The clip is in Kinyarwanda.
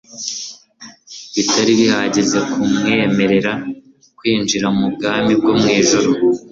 bitari bihagije kumwemerera kwinjira mu bwami bwo mu ijuru.